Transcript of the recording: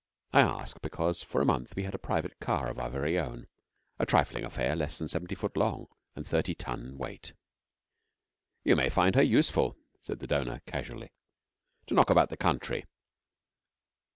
I ask because for a month we had a private car of our very own a trifling affair less than seventy foot long and thirty ton weight. 'You may find her useful,' said the donor casually, 'to knock about the country.